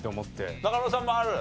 中村さんもある？